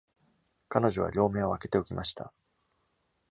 彼女は両眼を開けておきました。